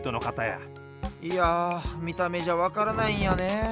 いやみためじゃわからないんやねえ。